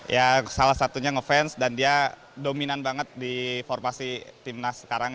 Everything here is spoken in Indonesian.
ya salah satunya ngefans dan dia dominan banget di formasi timnas sekarang